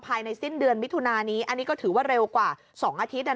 ภายในสิ้นเดือนมิถุนานี้อันนี้ก็ถือว่าเร็วกว่า๒อาทิตย์